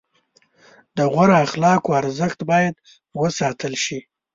د غوره اخلاقو ارزښت باید وساتل شي.